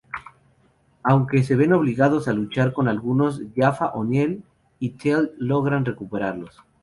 Aunque se ven obligados a luchar con algunos Jaffa, O'Neill y Teal'c logran recuperarlos.